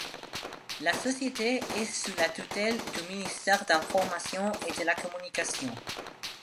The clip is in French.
La société est sous la tutelle du ministère de l’information et de la communication.